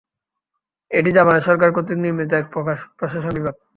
এটি জাপানের সরকার কর্তৃক নির্মিত এক প্রকার প্রশাসন বিভাগ।